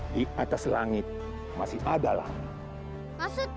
di atas langit masih ada langit